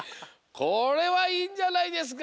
これはいいんじゃないですか？